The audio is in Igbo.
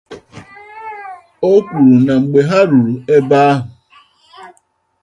O kwuru na mgbe ha ruru n'ebe ahụ